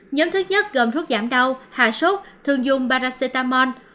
nhóm thứ nhất gồm thuốc giảm đau hạ sốt thường dùng baracetamon